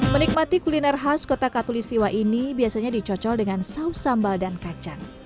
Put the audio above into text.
menikmati kuliner khas kota katulistiwa ini biasanya dicocol dengan saus sambal dan kacang